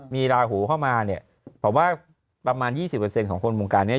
มีราหูเข้ามาเนี่ยผมว่าประมาณ๒๐ของคนวงการนี้